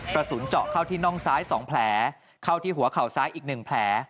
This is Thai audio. กระสุนเจาะเข้าที่น่องซ้าย๒แผลเข้าที่หัวเข่าซ้ายอีก๑แผล